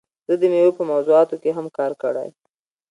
زه د میوو په موضوعاتو کې هم کار کړی.